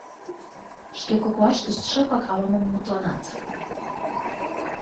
Шке коклаштышт шыпак ала-мом мутланат.